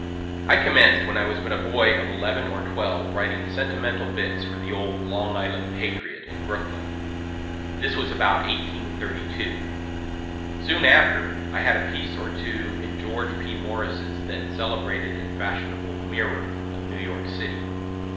I commenced when I was but a boy of eleven or twelve writing sentimental bits for the old "Long Island Patriot," in Brooklyn; this was about 1832. Soon after, I had a piece or two in George P. Morris's then celebrated and fashionable "Mirror," of New York city.